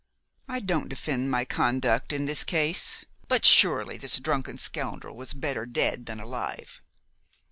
I don't defend my conduct in this case, but surely this drunken scoundrel was better dead than alive.